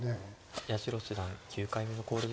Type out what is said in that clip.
八代七段９回目の考慮時間に。